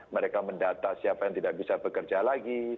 mereka mendata siapa yang tidak bisa bekerja lagi